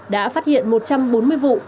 đã phát hiện một trăm bốn mươi vụ